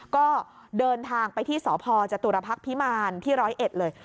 ก็เดินทางไปที่สพจตุรพักษ์พิมารที่๑๐๑เลย